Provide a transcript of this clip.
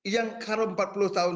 yang karo empat puluh tahun